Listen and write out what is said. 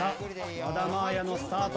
和田まあやのスタート。